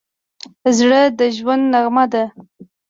زړه د ژوند نغمه ده.